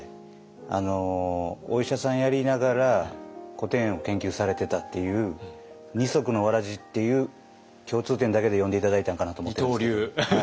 お医者さんやりながら古典を研究されてたっていう二足のわらじっていう共通点だけで呼んで頂いたんかなと思ってるんですけど。